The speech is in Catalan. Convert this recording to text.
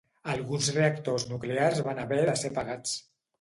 Alguns reactors nuclears van haver de ser apagats.